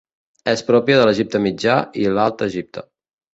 És pròpia de l'Egipte mitjà i l'alt Egipte.